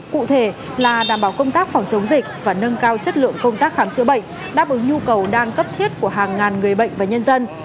cụ thể là đảm bảo công tác phòng chống dịch và nâng cao chất lượng công tác khám chữa bệnh đáp ứng nhu cầu đang cấp thiết của hàng ngàn người bệnh và nhân dân